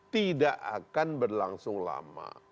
tidak akan berlangsung lama